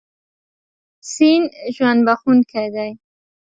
سیند ژوند بښونکی دی.